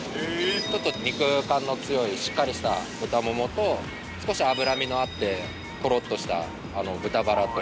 ちょっと肉感の強いしっかりした豚モモと少し脂身のあってトロッとした豚バラと。